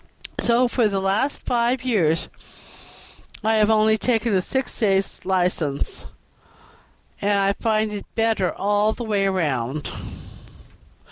So for the last five years I have only taken a six days' license, and I find it better all the way round."